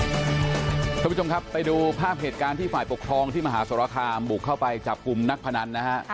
คุณผู้ชมครับไปดูภาพเหตุการณ์ที่ฝ่ายปกครองที่มหาสรคามบุกเข้าไปจับกลุ่มนักพนันนะฮะ